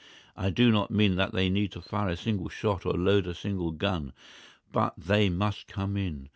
I do not mean that they need fire a single shot or load a single gun. But they must come in.